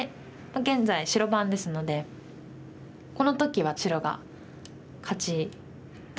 現在白番ですのでこの時は白が勝ちだと思います。